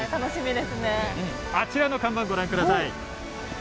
あちらの看板ご覧ください。